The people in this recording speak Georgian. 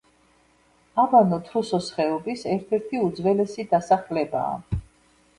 აბანო თრუსოს ხეობის ერთ-ერთი უძველესი დასახლებაა.